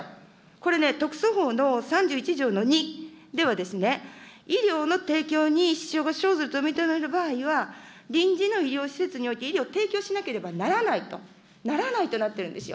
これね、特措法の３１条の２では、医療の提供に支障が生ずると認める場合には、臨時の医療施設において、医療提供しなければならないと、ならないとなっているんですよ。